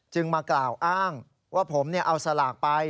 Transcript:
มากล่าวอ้างว่าผมเอาสลากไป